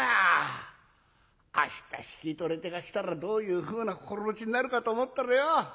明日引き取り手が来たらどういうふうな心持ちになるかと思ったらよ